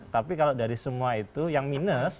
tapi kalau dari semua itu yang minus